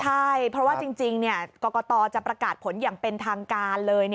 ใช่เพราะว่าจริงกรกตจะประกาศผลอย่างเป็นทางการเลย